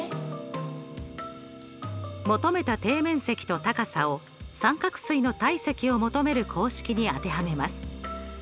求めた底面積と高さを三角錐の体積を求める公式に当てはめます。